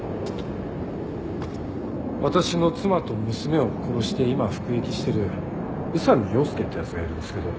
私の妻と娘を殺して今服役してる宇佐美洋介ってやつがいるんすけど。